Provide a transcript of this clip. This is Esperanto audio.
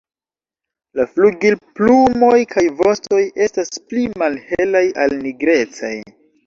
La flugilplumoj kaj vostoj estas pli malhelaj al nigrecaj.